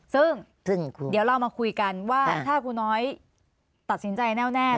ซึ่งเดี๋ยวเรามาคุยกันว่าถ้าครูน้อยตัดสินใจแน่วแน่